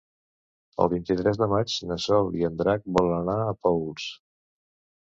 El vint-i-tres de maig na Sol i en Drac volen anar a Paüls.